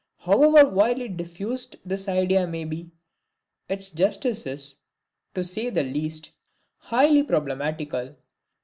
However widely diffused this idea may be, its justice is, to say the least, highly problematical.